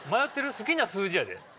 好きな数字やで？